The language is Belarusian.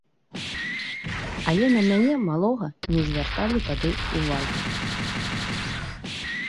Але на мяне, малога, не звярталі тады ўвагі.